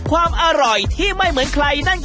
ข้าวหมูแดงครับ